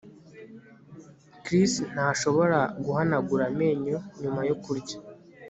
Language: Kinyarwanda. Chris ntashobora guhanagura amenyo nyuma yo kurya